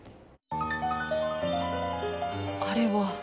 あれは